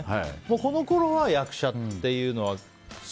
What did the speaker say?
このころは役者っていうのは。